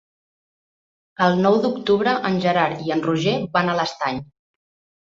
El nou d'octubre en Gerard i en Roger van a l'Estany.